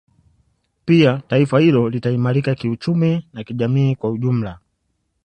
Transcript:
Pia taifa hilo litaimarika kiuchumi na kijamii kwa ujumla